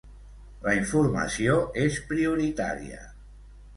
La informació és prioritària.